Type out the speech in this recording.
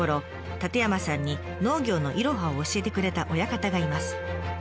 舘山さんに農業のいろはを教えてくれた親方がいます。